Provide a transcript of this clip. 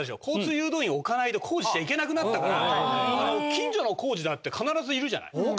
交通誘導員置かないと工事しちゃいけなくなったから近所の工事だって必ずいるじゃない。